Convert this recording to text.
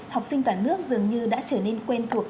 học sinh cả nước dường như đã trở nên quen thuộc